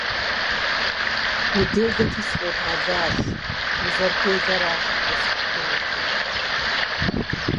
- Уделэти, сыкъебгъэлащ. Узэрыделэращ ущӏэсшхынур.